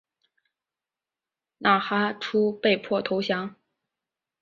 纳哈出被迫投降。